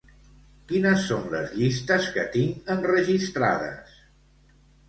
Quines són les llistes que tinc enregistrades?